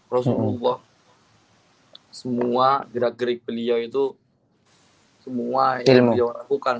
rasulullah semua gerak gerik beliau itu semua yang beliau lakukan